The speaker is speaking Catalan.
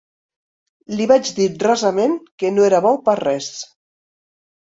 Li vaig dir rasament que no era bo per a res.